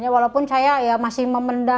walaupun saya masih memendah